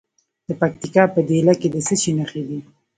د پکتیکا په دیله کې د څه شي نښې دي؟